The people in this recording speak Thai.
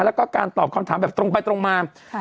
แล้วก็การตอบคำถามแบบตรงไปตรงมา